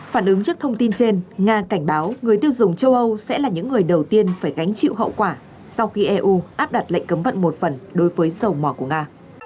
phản ứng trước thông tin trên nga cảnh báo người tiêu dùng châu âu sẽ là những người đầu tiên phải gánh chịu hậu quả sau khi eu áp đặt lệnh cấm vận một phần đối với dầu mỏ của nga